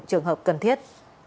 trường hợp cần thiết